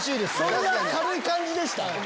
そんな軽い感じでした？